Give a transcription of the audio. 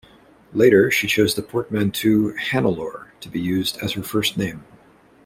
Later, she chose the portmanteau "Hannelore" to be used as her first name.